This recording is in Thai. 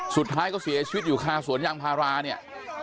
สุดท้ายก็เสียชีวิตอยู่คาสวนยางพาราเนี่ย